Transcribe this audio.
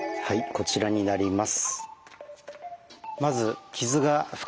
こちらになります。